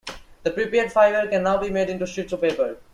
The prepared fibre can now be made into sheets of paper.